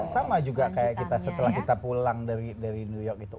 sama juga kayak kita setelah kita pulang dari new york gitu